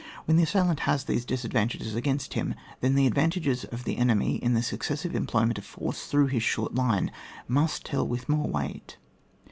When the assailant has these disadvantages against him, then the advantages of the enemy in the succes sive employment of force through his short line, must tell with more weight.